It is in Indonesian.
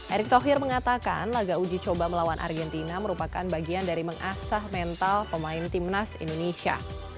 erick thohir mengatakan laga uji coba melawan argentina merupakan bagian dari mengasah mental pemain timnas indonesia